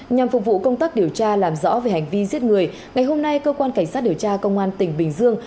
nhằm phục vụ công tác điều tra làm rõ về hành vi giết người ngày hôm nay cơ quan cảnh sát điều tra công an tỉnh bình dương